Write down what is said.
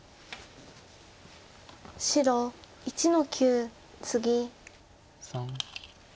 白１の九ツギ。